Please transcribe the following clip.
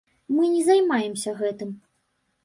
Мы не займаемся гэтым.